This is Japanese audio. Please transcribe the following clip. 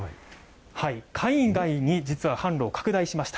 海外に実は販路を拡大しました。